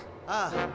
ああ。